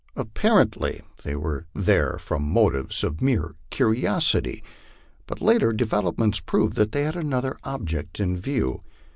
Apparently they were there from motives of mere curiosity, but later developments proved they had another object in view.